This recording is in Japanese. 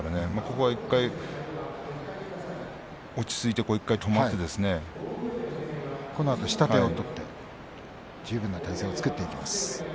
ここは１回落ち着いていったんこのあと下手を取って十分な体勢を作っていきます。